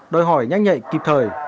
đòi hỏi nhanh nhạy kịp thời